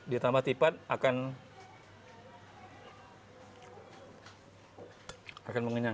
ditambah tipat akan mengenyang